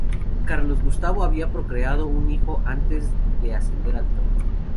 Carlos Gustavo había procreado un hijo antes de ascender al trono.